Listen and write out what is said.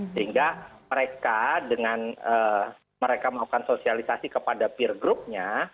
sehingga mereka dengan mereka melakukan sosialisasi kepada peer groupnya